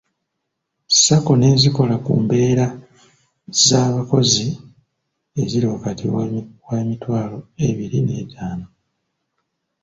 Sako n'ezikola ku mbeera z'abakozi eziri wakati wa emitwalo ebiri ne etaano.